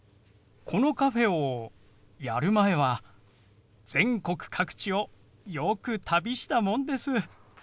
このカフェをやる前は全国各地をよく旅したもんです。